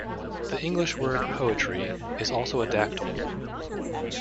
The English word "poetry" is also a dactyl.